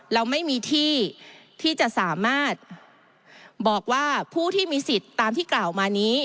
เราไม่มีที่ที่จะสามารถบอกว่าผู้ที่มีสิทธิ์ตามที่กล่าวมานี้